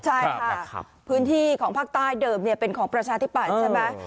ใช่ค่ะพื้นที่ของภาคใต้เดิมเป็นของประชาธิปัตย์ใช่ไหม